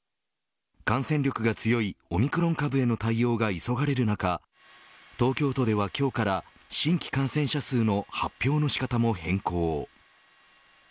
感染力が強いオミクロン株への対応が急がれる中東京都では今日から新規感染者数の発表の仕方も変更。